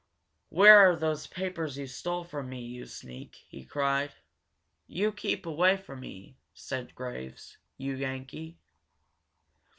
"Where are those papers you stole from me, you sneak?" he cried. "You keep away from me!" said Graves. "You Yankee!"